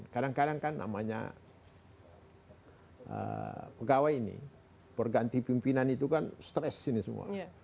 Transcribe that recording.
kadang kadang kan namanya pegawai ini perganti pimpinan itu kan stres ini semua